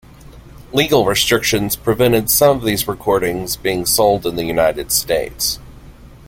Legal restrictions prevented some of these recordings being sold in the United States.